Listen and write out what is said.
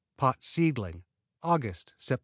Pott's Seedling Aug., Sept.